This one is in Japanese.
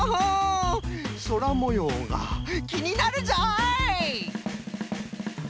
そらもようがきになるぞい！